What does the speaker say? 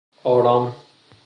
آرام